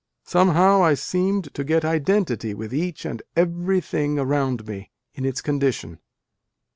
. somehow I seemed to get identity with each and everything around me, in its condition.